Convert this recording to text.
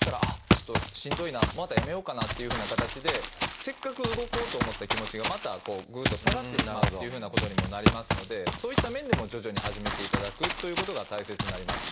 ちょっとしんどいなやめようかなっていうふうな形でせっかく動こうと思った気持ちがまたこうぐっと下がってしまうっていうふうなことにもなりますのでそういった面でも徐々に始めていただくということが大切になります。